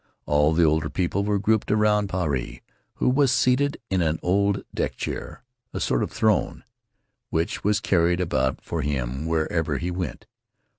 All the older people were grouped around Puarei, who was seated in an old deck chair, a sort of throne which was carried about for him wherever he went.